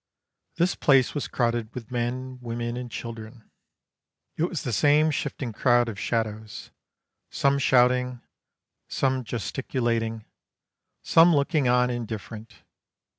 This place was crowded with men, women and children. It was the same shifting crowd of shadows: some shouting, some gesticulating, some looking on indifferent.